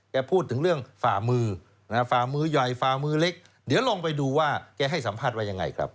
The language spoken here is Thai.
พูดถึงเรื่องฝ่ามือฝ่ามือใหญ่ฝ่ามือเล็กเดี๋ยวลองไปดูว่าแกให้สัมภาษณ์ว่ายังไงครับ